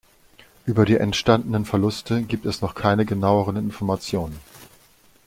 Über die entstandenen Verluste gibt es noch keine genaueren Informationen.